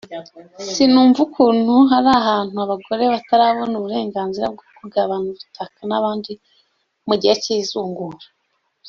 sinumva ukuntu hari ahantu abagore batarabona uburenganzira bwo kugabana ubutaka n’abandi mu gihe cy’izungura